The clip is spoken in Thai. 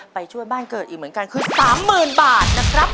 ไปช่วยบ้านเกิดอีกเหมือนกันคือ๓๐๐๐บาทนะครับ